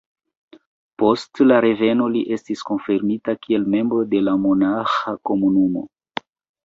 Post la reveno li estis konfirmita kiel membro de la monaĥa komunumo.